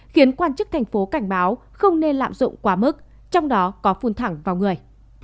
khiến quan chức thành phố cảnh báo không nên lạm dụng quá mức trong đó có phun thẳng vào người